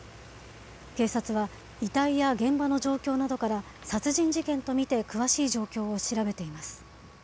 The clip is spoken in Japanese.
警察は、遺体や現場の状況などから、殺人事件とみて詳しい状況を調べています。